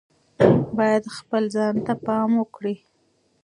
باید خپل ځان ته پام وکړي.